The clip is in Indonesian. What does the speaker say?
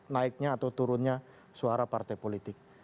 naiknya atau turunnya suara partai politik